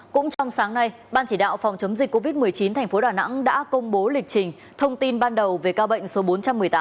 cũng trong sáng nay ban chỉ đạo phòng chống dịch covid một mươi chín tp đà nẵng đã công bố lịch trình thông tin ban đầu về ca bệnh số bốn trăm một mươi tám